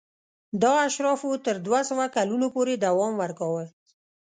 دا اشرافو تر دوه سوه کلونو پورې دوام ورکاوه.